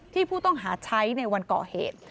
ที่ผู้ต้องหาใช้ในวันก่อเหตุ